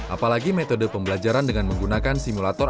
apalagi metode pembelajaran dengan menggunakan simulator